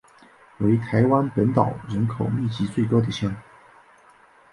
为台湾本岛人口密度最高的乡。